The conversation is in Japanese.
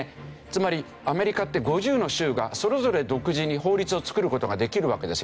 つまりアメリカって５０の州がそれぞれ独自に法律を作る事ができるわけですよね。